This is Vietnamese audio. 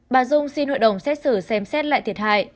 bà dung xin hội đồng xét xử xem xét lại thiệt hại